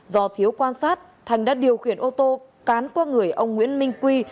do thiếu quan sát thành đã điều khiển ô tô cán qua người ông nguyễn minh quy